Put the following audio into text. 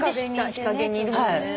日陰にいるもんね。